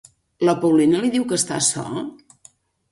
La Paulina li diu que està sol?